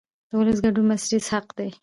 د ولس ګډون بنسټیز حق دی